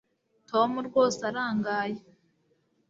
Tom rwose arangaye